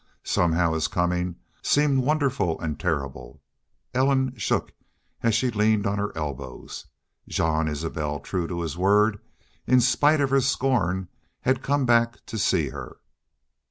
Somehow his coming seemed wonderful and terrible. Ellen shook as she leaned on her elbows. Jean Isbel, true to his word, in spite of her scorn, had come back to see her.